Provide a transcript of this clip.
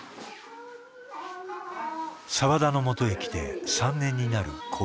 澤田のもとへ来て３年になる小梅。